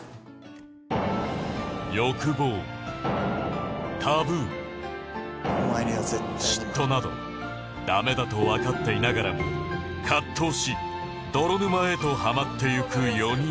欲望タブー嫉妬など駄目だとわかっていながらも葛藤し泥沼へとはまっていく４人の男女